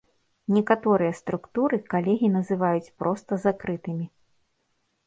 Некаторыя структуры калегі называць проста закрытымі.